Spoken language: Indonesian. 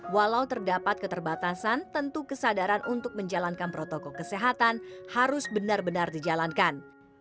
walau terdapat keterbatasan tentu kesadaran untuk menjalankan protokol kesehatan harus benar benar dijalankan